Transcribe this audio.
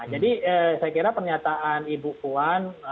jadi saya kira pernyataan ibu kuan